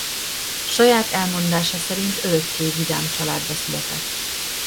Saját elmondása szerint örökké vidám családba született.